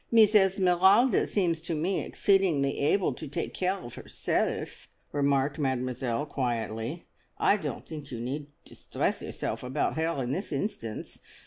"Mees Esmeralda seems to me exceedingly able to take care of herself," remarked Mademoiselle quietly. "I don't think you need distress yourself about her in this instance.